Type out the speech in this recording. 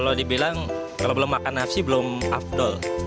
kalau dibilang kalau belum makan nasi belum afdol